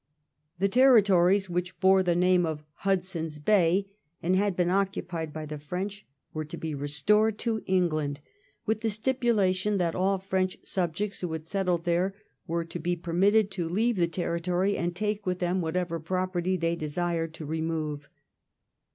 The territories which bore the name of Hudson's Bay and had been occupied by the French were to be restored to England, with the stipulation that all French subjects who had settled there were to be permitted to leave the territory and take with them whatever property they desired to remove.